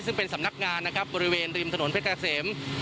ซึ่งเป็นสำนักงานนะครับบริเวณริมถนนเพชรเกษม